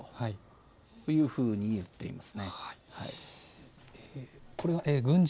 というふうに言っています。